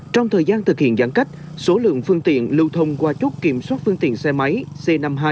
trong thời gian thực hiện giãn cách số lượng phương tiện lưu thông qua chốt kiểm soát phương tiện xe máy c năm mươi hai